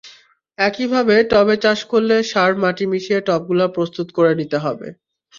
একইভাবে টবে চাষ করলে সার-মাটি মিশিয়ে টবগুলো প্রস্তুত করে নিতে হবে।